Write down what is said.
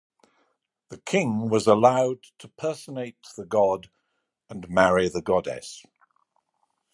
The king was allowed to personate the god and marry the goddess.